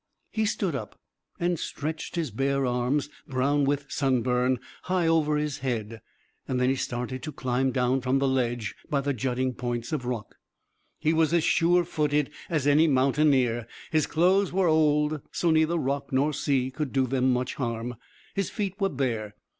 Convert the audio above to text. He stood up and stretched his bare arms, brown with sunburn, high over his head. Then he started to climb down from the ledge by the jutting points of rock. He was as sure footed as any mountaineer. His clothes were old, so neither rock nor sea could do them much harm; his feet were bare.